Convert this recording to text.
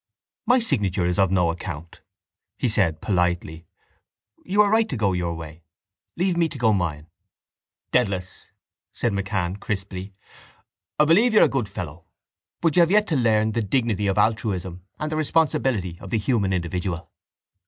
—My signature is of no account, he said politely. You are right to go your way. Leave me to go mine. —Dedalus, said MacCann crisply, I believe you're a good fellow but you have yet to learn the dignity of altruism and the responsibility of the human individual.